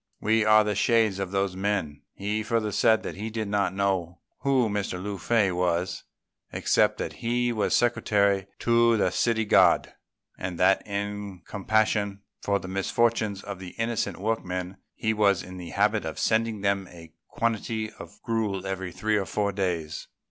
We are the shades of those men." He further said he did not know who Mr. Lung fei was, except that he was secretary to the City God, and that in compassion for the misfortunes of the innocent workmen, he was in the habit of sending them a quantity of gruel every three or four days.